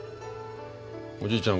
おじいちゃん